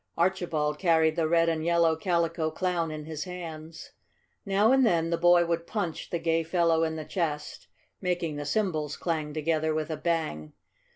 Archibald carried the red and yellow Calico Clown in his hands. Now and then the boy would punch the gay fellow in the chest, making the cymbals clang together with a bang.